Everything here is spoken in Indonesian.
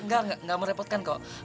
enggak enggak merepotkan kok